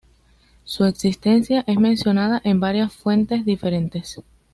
Su existencia es mencionada en varias fuentes diferentes.